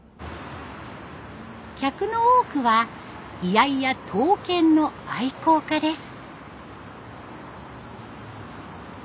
客の多くは居合や刀剣の愛好家です。